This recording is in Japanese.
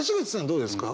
どうですか？